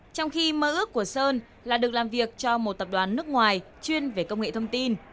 trong khi mơ ước của sơn là được làm việc cho một tập đoàn nước ngoài chuyên về công nghệ thông tin